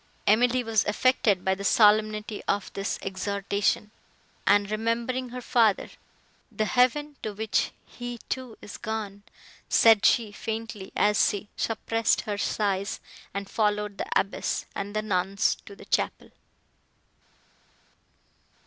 Emily was affected by the solemnity of this exhortation, and, remembering her father, "The heaven, to which he, too, is gone!" said she, faintly, as she suppressed her sighs, and followed the abbess and the nuns to the chapel.